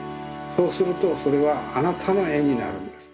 そうするとそれはあなたのえになるんです。